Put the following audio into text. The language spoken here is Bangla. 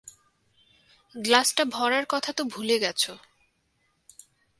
গ্লাসটা ভরার কথা তো ভুলে গেছো।